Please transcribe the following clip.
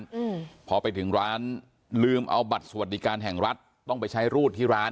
อืมพอไปถึงร้านลืมเอาบัตรสวัสดิการแห่งรัฐต้องไปใช้รูดที่ร้าน